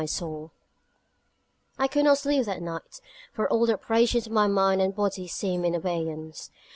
I could not sleep that night: for all the operations of my mind and body seemed in abeyance.